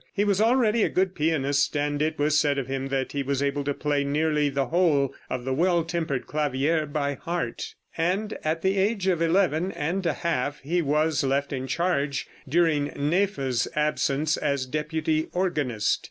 He was already a good pianist, and it was said of him that he was able to play nearly the whole of the "Well Tempered Clavier" by heart, and at the age of eleven and a half he was left in charge during Neefe's absence, as deputy organist.